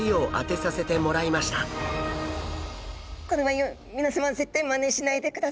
これは皆さま絶対まねしないでくださいね。